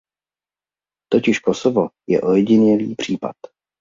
Totiž Kosovo je ojedinělý případ.